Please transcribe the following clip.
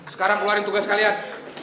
sekarang keluarin tugas kalian